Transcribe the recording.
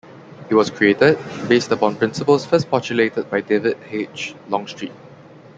It was created, based upon principles first postulated by David H. Longstreet.